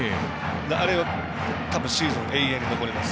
あれはシーズンで永遠に残ります。